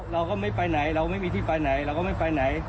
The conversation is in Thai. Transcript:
เราก็ไม่ไปไหนเราไม่มีที่ไปไหนเราก็ไม่ไปไหน